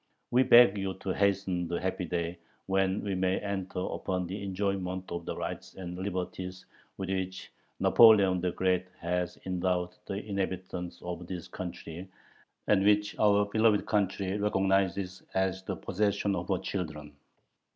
We beg you to hasten the happy day when we may enter upon the enjoyment of the rights and liberties with which Napoleon the Great has endowed the inhabitants of this country, and which our beloved country recognizes as the possession of her children.